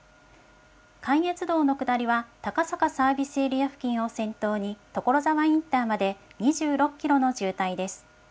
関越道の下りは、高坂サービスエリア付近を先頭に所沢インターまで２６キロの渋滞です。